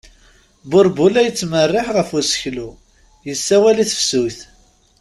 Burebbu la yettmerriiḥ ɣef useklu, issawal i tefsut.